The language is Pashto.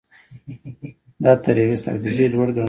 دا تر یوې ستراتیژۍ لوړ ګڼل کېده.